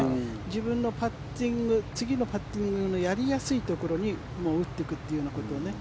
自分のパッティング次のパッティングのやりやすいところに打っていくということをね。